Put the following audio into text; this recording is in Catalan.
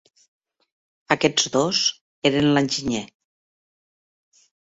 Aquests dos eren l'enginyer.